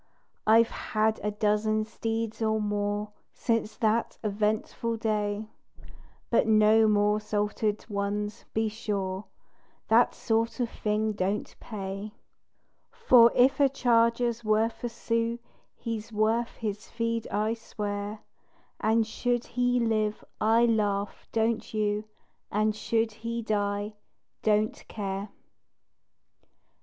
I've had a dozen steeds or more, Since that eventful day; But no more "salted" ones, be sure That sort of thing don't pay, For if a charger's worth a sou, He's worth his feed, I swear: And should he live, I laugh, don't you? And should he die, don't care.